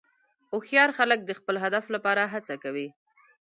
هوښیار خلک د خپل هدف لپاره هڅه کوي.